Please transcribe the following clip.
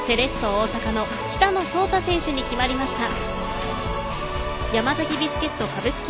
大阪の北野颯太選手に決まりました。